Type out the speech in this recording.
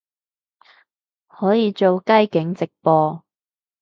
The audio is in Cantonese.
可以做街景直播